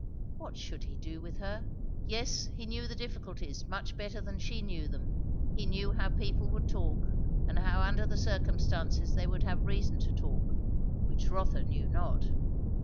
What should he do with her? Yes, he knew the difficulties, much better than she knew them; he knew how people would talk, and how under the circumstances they would have reason to talk; which Rotha knew not.